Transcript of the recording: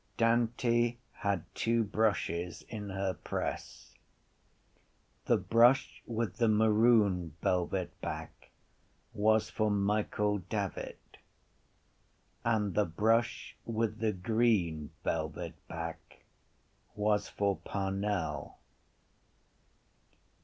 Dante had two brushes in her press. The brush with the maroon velvet back was for Michael Davitt and the brush with the green velvet back was for Parnell.